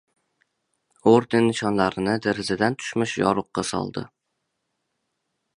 Orden-nishonlarini derazadan tushmish yoruqqa soldi.